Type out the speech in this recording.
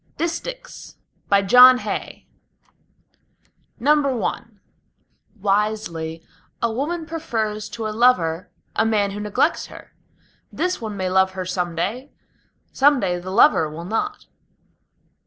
DISTICHS BY JOHN HAY I Wisely a woman prefers to a lover a man who neglects her. This one may love her some day, some day the lover will not.